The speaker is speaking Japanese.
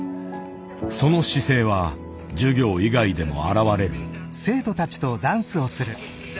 その姿勢は授業以外でも現れる。